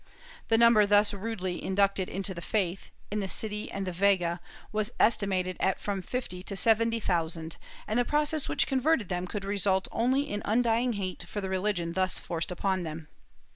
The number thus rudely inducted into the faith, in the city and the Vega, was estimated at from fifty to seventy thousand and the process which converted them could result only in undying hate for the religion thus forced upon them.